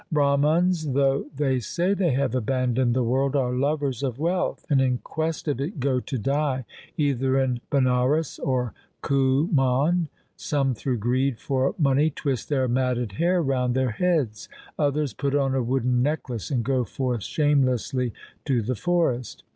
Brahmans, though they say they have abandoned the world, are lovers of wealth, and in quest of it go to die either in Banaras or Kumaun. Some through greed for money twist their matted hair round their heads. Others put on a wooden necklace and go forth shamelessly to the forest.